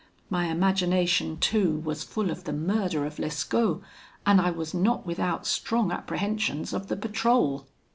My imagination too was full of the murder of Lescaut, and I was not without strong apprehensions of the patrol.